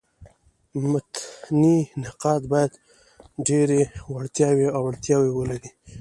متني نقاد باید ډېري وړتیاوي او اړتیاوي ولري.